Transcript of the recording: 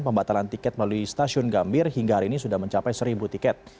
pembatalan tiket melalui stasiun gambir hingga hari ini sudah mencapai seribu tiket